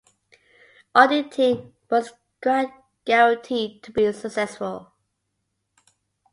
Auditing was guaranteed to be successful.